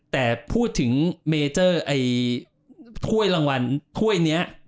แต่พูดถึงเมเจอร์ถ้วยรางวัลถ้วยนี้